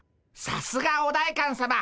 さすがお代官さま。